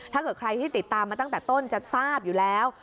ถ้าเกิดใครที่ติดตามมาตั้งแต่ต้นจะทราบอยู่แล้ว